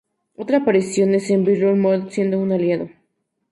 Otra aparición es en Battle Mode, siendo un aliado.